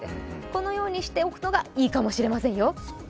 このようにしておくのがいいかもしれませんよ。